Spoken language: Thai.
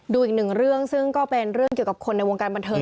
อีกหนึ่งเรื่องซึ่งก็เป็นเรื่องเกี่ยวกับคนในวงการบันเทิง